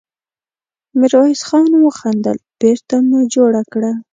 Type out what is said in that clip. ميرويس خان وخندل: بېرته مو جوړه کړه!